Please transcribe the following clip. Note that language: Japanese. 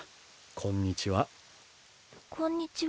ここんにちは。